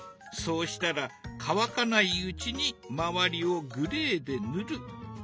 そうしたら乾かないうちに周りをグレーで塗る。